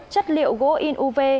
chất liệu gỗ in uv